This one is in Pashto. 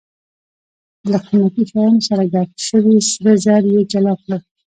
له قیمتي شیانو سره ګډ شوي سره زر یې جلا کړل.